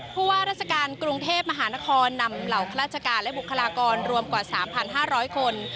ว่าราชการกรุงเทพมหานครนำเหล่าข้าราชการและบุคลากรรวมกว่า๓๕๐๐คน